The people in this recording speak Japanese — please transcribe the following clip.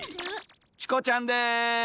チコちゃんです。